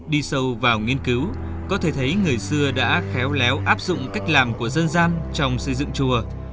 đi sâu vào nghiên cứu có thể thấy người xưa đã khéo léo áp dụng cách làm của dân gian trong xây dựng chùa